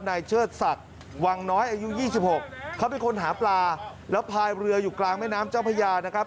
เชิดศักดิ์วังน้อยอายุ๒๖เขาเป็นคนหาปลาแล้วพายเรืออยู่กลางแม่น้ำเจ้าพญานะครับ